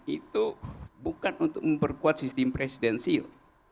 itu bukan untuk memperkuat sistem presidensil